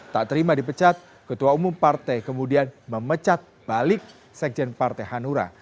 tak terima dipecat ketua umum partai kemudian memecat balik sekjen partai hanura